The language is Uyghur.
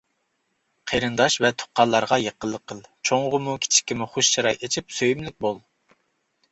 قېرىنداش ۋە تۇغقانلارغا يېقىنلىق قىل، چوڭغىمۇ كىچىككىمۇ خۇش چىراي ئېچىپ سۆيۈملۈك بول.